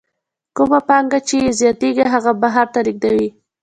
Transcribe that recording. کومه پانګه یې چې زیاتېږي هغه بهر ته لېږدوي